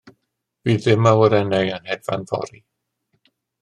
Fydd dim awyrennau yn hedfan fory.